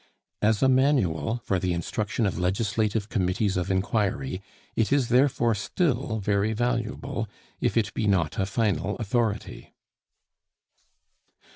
As a manual for the instruction of legislative committees of inquiry it is therefore still very valuable, if it be not a final authority.